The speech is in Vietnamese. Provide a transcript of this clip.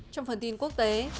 trong phần tin quốc tế